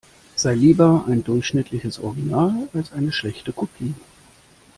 Sei lieber ein durchschnittliches Original als eine schlechte Kopie.